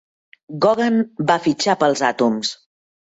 Gogan va fitxar pels Atoms.